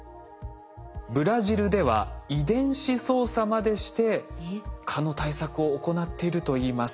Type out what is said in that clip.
ブラジルでは遺伝子操作までして蚊の対策を行っているといいます。